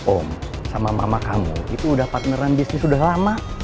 om sama mama kamu itu udah partneran bisnis sudah lama